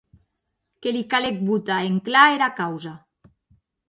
Que li calec botar en clar era causa.